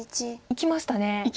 いきましたね。